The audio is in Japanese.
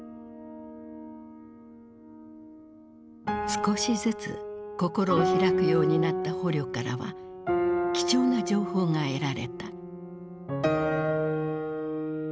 少しずつ心を開くようになった捕虜からは貴重な情報が得られた。